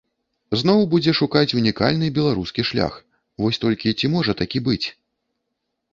Зноў будзе шукаць унікальны беларускі шлях, вось толькі ці можа такі быць?